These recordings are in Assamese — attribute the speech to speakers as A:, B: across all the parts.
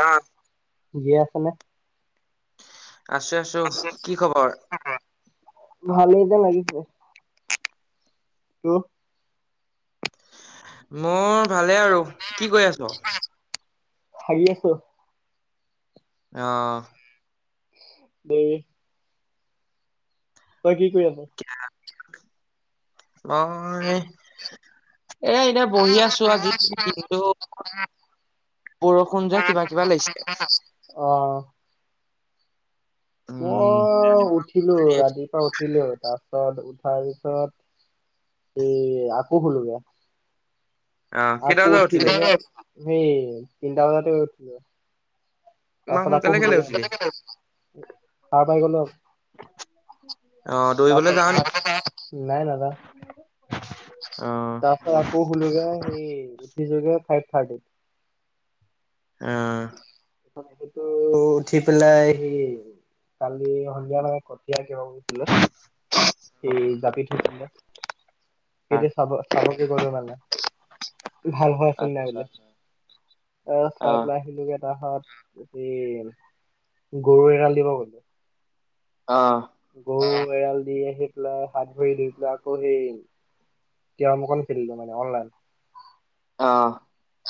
A: অ', ঠিকে আছা নে?
B: আছো আছো, কি খবৰ?
A: ভালে যেন লাগিছে। [unintelligible]
B: মোৰ ভালে আৰু, কি কই আছ?
A: [unintelligible] আছো
B: অ',
A: ব তই কি কৰি আছ
B: মই এ এনে বহি আছো আজি যিহেতু বৰষুণ যে কিবা কিবা লাগিছিল
A: অ মই উঠিলো ৰাতিপা উঠিলো তাৰ পিছত উঠাৰ পিছত ই আকৌ শুলোগে
B: অ কেইটা
A: আকৌ
B: বজাত উঠিলি
A: উঠিলে সেই তিনিটা বজাতে উঠিল
B: ইমান
A: তাৰপাছত আকৌ
B: সোনকালে কেলে
A: উঠিলো
B: উঠিলি
A: সাৰ পাই গলো
B: অ দৌৰিবলৈ যাও নেকি
A: তাই নাজানে
B: অ
A: তাৰপাছ আকৌ হোলোঙ আও সেই উঠি ছোগে ফাইভ থাৰ্টি
B: অ
A: সেইটো উঠি পেলাই সি কালি সন্ধিয়ালৈকে কঠিয়া ৰখিব গৈছিলে। সেই জাপি থাকা চাব গলো মানে। ভালহৈ আছিল নাই
B: আচ্ছা
A: বোলে,
B: আচ্ছা অ
A: তাৰপিছত গৰু এৰাল দিব গলোঁ।
B: অ'
A: গৰু এৰাল দি আহি পেলাই হাত ভৰি ধুই পেলাই, আকৌ সেই কেৰম অকণ খেলিলো মানে অনলাইন।
B: অ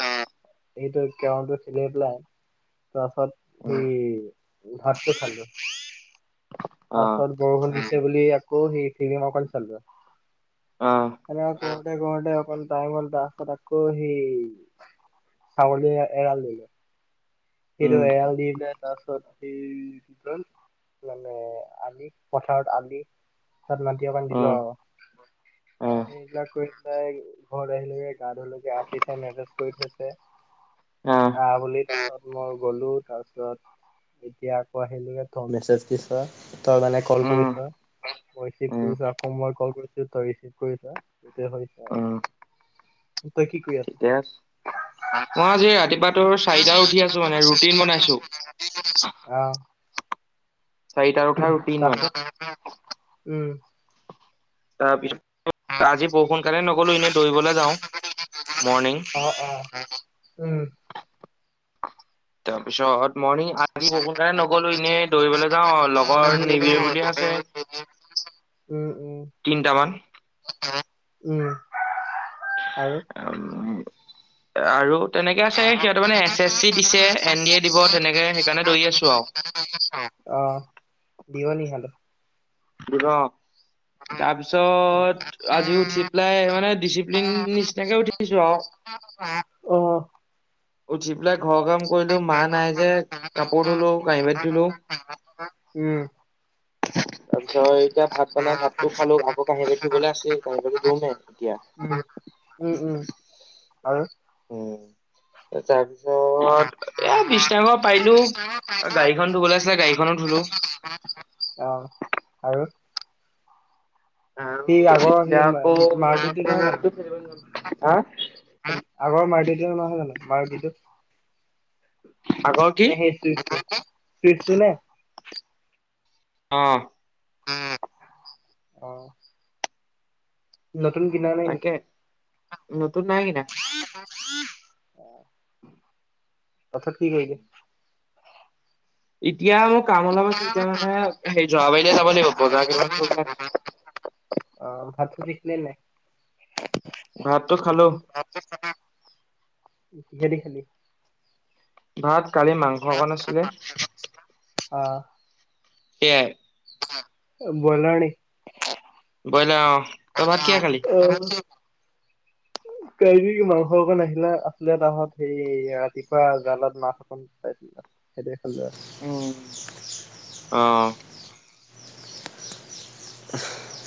A: অ' সেইটোৱে কেৰমটো খেলি পেলাই তাৰপাছত সি
B: উম
A: ভাতটো খালো
B: অ
A: তাৰপাছত গৰু [inaudible] আকৌ বুলি হাৰি ফ্লিম অকণ
B: অ
A: চালোঁ। সেইবিলাক কৰোঁতে টাইম গ'ল, তাৰপিছত আকৌ সেই ছাগলীকেইটা এৰাল দিলো। সেইটো
B: উম
A: এৰাল দি পেলাই তাৰ পিছত মানে আলি পথাৰত আলি তাত মাটি অকণ দিলো
B: উম
A: আৰু
B: অ অ
A: সেইবিলাক কৰি ঘৰলে আহিলোগে গা ধুলোগে আতিছে মেছেজ কৰি থৈছে, আহ বুলি মই গলো তাৰপিছত এতিয়া আকৌ আহিলো গে তই মেছেজ দিছ। তই মানে কল
B: উম
A: কৰিছ মই ৰিচিভ
B: উম
A: কৰিছোঁ আকৌ মই কল কৰিছোঁ তই ৰিচিভ কৰিছ।
B: উম
A: [unintelligible] কি কৰি আছ
B: ঠিকে আছে। মই আজি ৰাতিপুৱা তোৰ চাৰিটাত উঠি আছো। মানে
A: মই
B: ৰুটিন বনাইছো
A: চাৰিটাত উঠি আছো অ'
B: চাৰিটাত উঠা ৰোতিন মানে।
A: অ উম
B: তাৰপিছত আজি বৰষুণ কাৰণে নগলো। এনেই দৌৰিবলৈ যাওঁ। মৰ্ণিং
A: অ' অ' উম।
B: তাৰপিছত মৰ্ণিং আজি নগলো এনেই দৌৰিবলৈ যাওঁ আৰু লগৰ
A: মানে
B: নিবিৰ বুলি
A: সেই
B: আছে।
A: উম, উম।
B: তিনটামান
A: উম, আৰু
B: আৰু তেনেকে আছে সিহঁতে মানে এছ এছ চি দিছে এন ডি এ দিব তেনেকে সেইকাৰণে দৌৰি আছো আও।
A: অ বিয়লি খালো।
B: অ
A: অ
B: তাৰপিছত আজি উঠি পেলাই মানে ডিচিপ্লিন নিচিনাকৈয়ে উঠিছো আও।
A: অ' অ'
B: উঠি পেলাই ঘৰৰ কাম কৰিলোঁ মা নাই যে কাপোৰ ধুলোঁ কাঁহি-বাটি ধুলোঁ।
A: উম
B: [inaudible] [unintelligible] তাৰপিছত এতিয়া ভাত বনাই ভাতটো খালোঁ। আকৌ কাঁহী-বাতি ধুবলৈ আছেই কাঁহী-বাতি ধুমহে এতিয়া-
A: উম উম উম আৰু
B: উম [inaudible] [unintelligible] তাৰ পাছত এ বিশটা পাৰিলোঁ গাড়ীখন ধুবলৈ আছিলে গাড়ীখনো ধুলোঁ-
A: অ আৰু-
B: আৰু
A: সি আগৰ সি
B: এতিয়া আকৌ
A: আগৰ নামটো কি কয়
B: ক্ৰিকেটটো খেলিবলৈ যাম।
A: যে
B: হা
A: - আগৰ মাৰটিটো অনা নহয় জানো মাৰটিটোত।
B: আগৰ কি
A: নে সেই চুইফটো নে? -
B: অ-
A: উম আহ- নতুন কিনা নাই নেকি?
B: তাকে নতুন নাই কিনা-
A: তাৰ পাছত কি কৰিছে
B: এতিয়া মোৰ কাম অলপ আছিলে এতিয়া মানে সেই যৱাবাৰিলে যাব লাগিব, বজাৰ কেইটামান কৰিব
A: অঁ, ভাত-পানী খালে নাই?
B: ভাতটো খালো
A: খৰি [unintelligible] খি [unintelligible]
B: ভাত খালোঁ মাংস অকণ আছিলে।
A: অঁহ
B: সেয়াই।
A: ব্ৰইলাৰ নেকি?
B: ব্ৰইলা অঁ।
A: ব্ৰইলা অঁ, অ, আধা কেজি আনিছিলোঁ।
B: [inaudible]
A: কালিৰ মাংস অকণ আহিলে, আছিলে। তাপাছত হেৰি, ৰাতিপুৱা জালত মাছ অকণ পাইছিলো। সেইটোৱে খালোঁ আও।
B: উম, অঁ।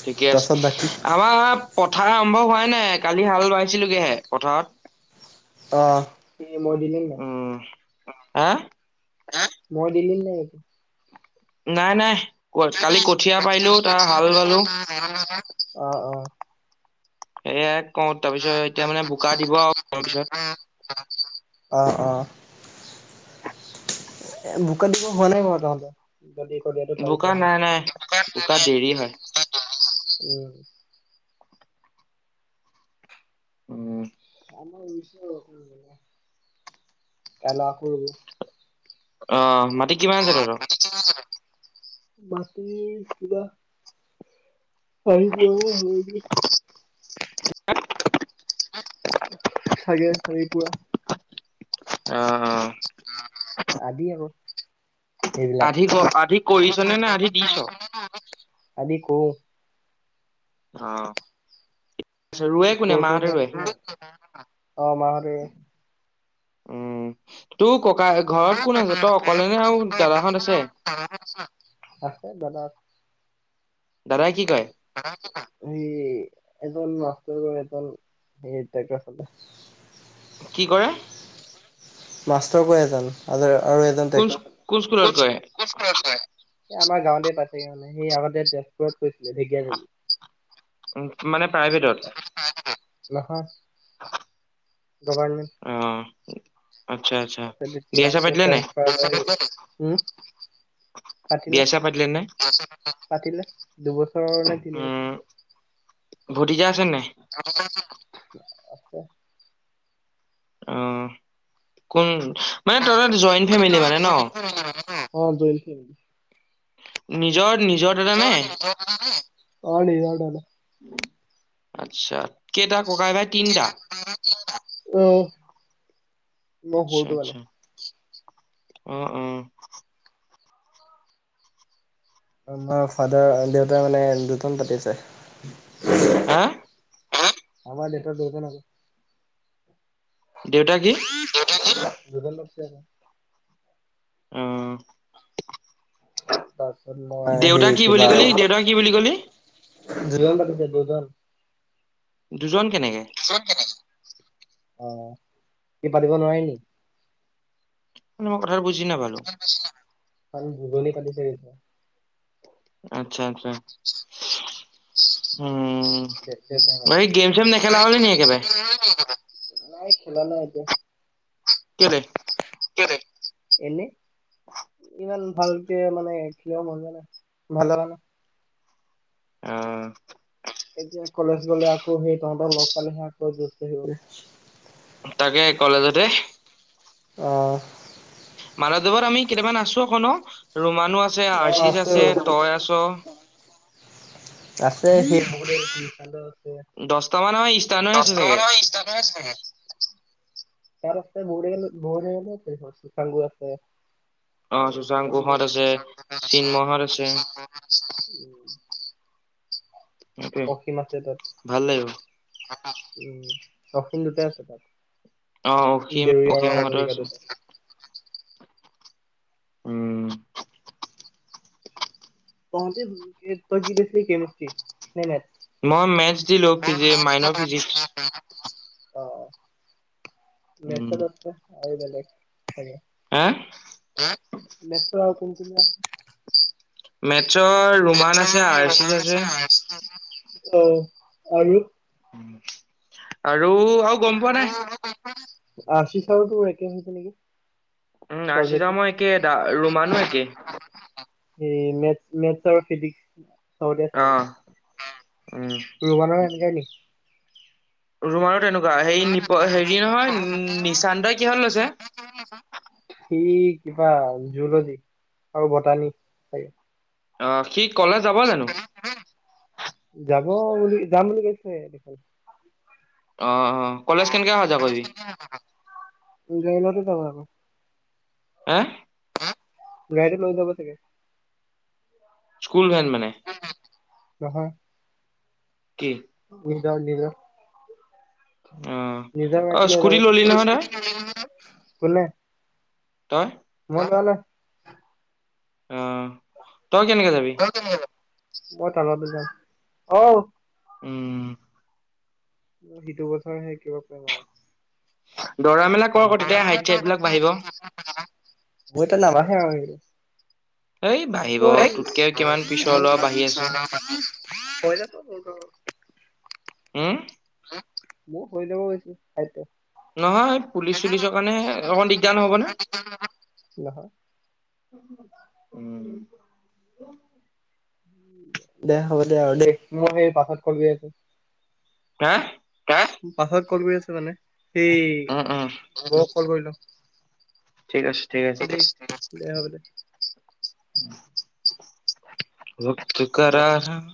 B: ঠিকে আছে।
A: তাৰপাছত বাকী
B: আমাৰ পথাৰ আৰম্ভ হোৱাই নাই। কালি হাল বাইছিলোগেহে পথাৰত।
A: অঁ, তিনি মৈ দিলি নাই। অঁ
B: উম, হা
A: হাঁ, মৈ দিলি নাই?
B: নাই, নাই ক কালি কঠীয়া পাৰিলোঁ। তাৰপাছত হালবালো।
A: অঁ, অঁ
B: এয়াত
A: [unintelligible]
B: পিছত
A: অঁ, অঁ এ বোকাত দিব হোৱা নাই ক তহঁতৰ? আজি কঠীয়াটো
B: বোকা
A: পাৰিছেহে।
B: নাই নাই।
A: বোকাত নাই
B: বোকা
A: দিয়া,
B: দেৰি হয়,
A: বোকাত দিব নাই হোৱা। উম।
B: অঁহ
A: আমাৰ ৰোইছো। কাইলে আকৌ ৰোম।
B: অঁ, মাটি কিমান আছে তহঁতৰ?
A: বাকি সোধা? চাৰি পোৰা মান হ'ব নেকি।
B: [unintelligible]
A: চাগে, চাৰি পোৰা।
B: অঁ, অঁ
A: আ আদিহে ক। এইবিলাক,
B: আধি ক আধি
A: আনক
B: কৰিছ নে নে আধি
A: কৰাই-আনক
B: দিছ?
A: কৰাইছে নে? না আনক দিছে? আদি কৰোঁ!
B: অ ৰুৱে কোনে মাহঁতে
A: ওচৰটোহে,
B: ৰুৱে?
A: আনে কৰে না মাহঁতে কৰে? অ মাহঁতে।
B: উম, তোক ককাই ঘৰত কোন আছে তই অকলে নে আৰু দাদাহঁত আছে?
A: আছে দাদা।
B: দাদাই কি কৰে?
A: এই এজন মাষ্টৰ কৰে এজন হেৰি, টেক্টৰ চলাই।
B: কি কৰে?
A: মাষ্টৰ কৰে এজন আৰু এজন
B: কোন
A: টেক্টৰ
B: স্ক-
A: চলাই।
B: স্কুলত
A: কোন,
B: গৈ
A: কোন স্কুলত কৰে? এ আমাৰ গাঁৱতে তাতে মানে সি আগতে তেজপুৰত কৰিছিলে, ঢেকীয়াজুলিত।
B: উম, মানে প্ৰাইভেটত।
A: নহয়।
B: [unintelligible]
A: গভাৰমেন্ট
B: অ আচ্ছা আচ্ছা
A: তাৰপিছত এতিয়া
B: বিয়া চিয়া
A: আকৌ
B: পাতিলে নাই
A: ট্ৰেন্সফাৰ কৰি উম পাতিলে
B: বিয়া চিয়া নাই
A: পাতিলে দুবছৰৰ নে
B: উম
A: তিনিবছৰ
B: ভতিজা আ
A: ভতিজা আছে নাই? আছে
B: অ কোন মানে তহত জইণ্ট ফেমিলি মানে ন
A: অ জইণ্ট ফেমিলি
B: নিজৰ নিজৰ দাদা নে
A: অ নিজৰ দাদা
B: আচ্ছা কেইটা ককাই ভাই তিনিটা
A: অ মই
B: আচ্ছা
A: সৰুটো মানে
B: আচ্ছা অ অ
A: আমাৰ ফাদাৰ দেউতাৰ মানে দুজন পাতিছে
B: হা
A: আমাৰ দেটাৰ দুজন আ
B: দেউতা কি
A: দেউতা কি দুজন পাতিছে আক
B: অ
A: তাছত মই
B: দেউতা
A: সেই
B: কি
A: কিবা
B: বুলি কলি দেউতা কি বুলি কলি
A: দুজন পাতিছে দুজন
B: দুজন কেনেকে
A: দুজন কেনেকে অ কি পাতিব নোৱাৰি নি
B: মানে মই কথাটো বুজি নাপালো
A: দুজনী পাতিছে
B: আচ্ছা আচ্ছা উম
A: দে দে
B: বাকী গেম চেম নেখেলা হলি নি একেবাৰে
A: তেনেহলে নাই খেলা নাই এতিয়া
B: কেলে
A: কেলে এনে ইমান ভালকে মানে খেলিব মন যোৱা নাই
B: অ
A: এতিয়া কলেজ গলে আকৌ সেই তহঁতৰ লগ পালেহে আকৌ যজটো আহিব
B: তাকে কলেজতে
A: অ
B: দেৱত আমি কেতিয়াবা নাচু আক ন ৰোমা নো আছে আশিষ আছে তই আছ
A: আছে সেই আছে
B: দহটা মান আমাৰ ষ্টাৰ্ণৰে আছে
A: দচটা
B: চাগে
A: ইচতেতাছ চাল মৰি আছে
B: অ
A: আৰু কিবা কিবি
B: শশাংকুহঁত আছে চিন্ময়হঁত আছে সেইটোৱে
A: অসীম আছে তাত
B: ভাল লাগিব
A: উম অসিম দুুটা আছে তাত
B: অ অসীম
A: দেউৰিয়া
B: অসীমহঁতো আছে
A: কাটোতে
B: উম
A: তই কি দেখিলি কেমেচত্ৰী
B: মই মেথছ দিলো মাইনৰ ফিজিক্স
A: অ
B: উম
A: মেঠচত আৰু বেলেগ
B: হা
A: মেট্ৰ আৰু কোন কোন
B: মেথছৰ ৰোমান
A: আছে
B: আৰ্চিচ আছে
A: [unintelligible] অ আৰু
B: আৰু আৰু গম পোৱা নাই
A: আশিষ চাহ ত কেমছিল নেকি?
B: উম
A: চাবজেক্টটো
B: আছিদামো একে ৰোমানো একে।
A: এই মে মেথছ আৰু ফিজিক্স। চৰ্দি আছে
B: অ উম
A: মানে ৰুবৰ সেনেকাইক।
B: তৰুমাৰো তেনেকুৱা হপ হেৰি নহয় নিশান্তই কিহত লৈছে।
A: সি কিবা জুলজী আৰু বটানী।
B: অহ সি কলে যাব জানো।
A: অ বুলি যাম বুলি কৈছে দেখ।
B: অ অ কলেজ কেনেকে সজা কৰিবি।
A: গাড়ী লতে যাব আকৌ
B: হা
A: গাড়ী লৈ যাব চাগে।
B: স্কুল ভেন মানে।
A: নহ।
B: কি।
A: য লিল।
B: অ'
A: নিজৰ
B: অ'
A: মিল
B: স্কুটি ললি নহয় তই
A: য কল।
B: তই
A: মই গলে।
B: অ। তই কেনেকে যাবি?
A: মই তালত দু যাম অহ।
B: উম
A: সিটো কথাৰ সে কিবা পম আৰু
B: ধৰা মেলা কৰ আকৌ তেতিয়া হাত চবিলাক বাঢ়িব
A: [unintelligible]
B: এই বাঢ়িব তোতকে কিমান পিছৰ ল'ৰা বাঢ়ি আছে।
A: [unintelligible] [unintelligible]
B: উম।
A: মোৰ হৈ যাব গৈছো খ।
B: নহয় পুলিচ চুলিচৰ কাৰণে অকণ দিগদাৰ নহ'ব নে।
A: নহয়
B: উম।
A: দে হ'ব দে আৰু দে মই সেই পাছত কৰি আছো।
B: হা।
A: হা? পাছত কল কৰি আছে মানে সেই
B: উম উম
A: বৌক কল কৰি ল।
B: ঠিক আছে ঠিক আছে।
A: দে হ'ব দে। অ'।
B: [unintelligible]